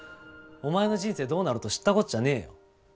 お前の人生どうなろうと知ったこっちゃねえよ。